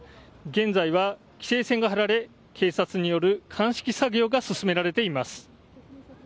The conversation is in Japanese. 現在は規制線が張られ警察による鑑識作業が進められています。